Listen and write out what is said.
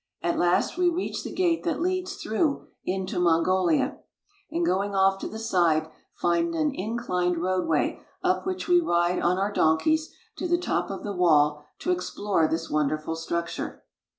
At last we reach the gate that leads through into Mongolia; and going off to the side find an inclined roadway up which we ride on our donkeys to the top of the wall to explore this wonderful structure.